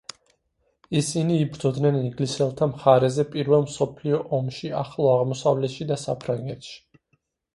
ისინი იბრძოდნენ ინგლისელთა მხარეზე პირველ მსოფლიო ომში ახლო აღმოსავლეთში და საფრანგეთში.